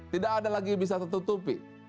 tidak ada lagi bisa tertutupi